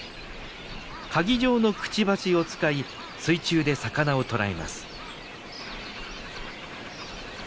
かぎ状のくちばしを使い水中で魚を捕らえます。